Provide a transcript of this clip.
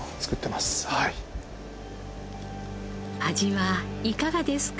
味はいかがですか？